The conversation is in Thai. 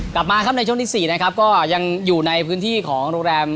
กลับมาครับในช่วงที่๔นะครับก็ยังอยู่ในพื้นที่ของโรงแรม